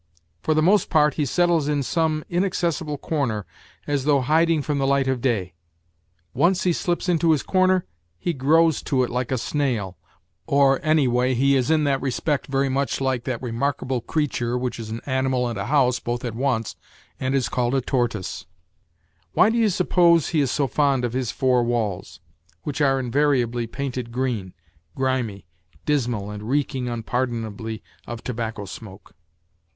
For the mna^jiart h fiUl fiH in "mft in accessible corner, as thoTlgtrtltftTng^frmh the light of day ; once he slips into his corner, he grows to it like a snail, or, anyway, he is in that respect very much like that remarkable creature,' which is an animal and a house both at once, and is called a tortoise. Why do you suppose he is so fond of his four walls, which are invariably painted green, grimy, dismal and reeking unpardonably of tobacco smoke